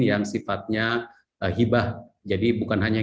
yang sifatnya hibah jadi bukan hanya